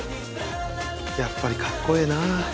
やっぱりかっこええなあ設楽。